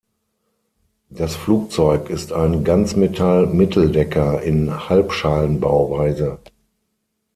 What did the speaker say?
Das Flugzeug ist ein Ganzmetall-Mitteldecker in Halbschalenbauweise.